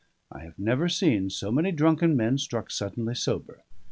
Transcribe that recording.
I have never seen so many drunken men struck suddenly sober.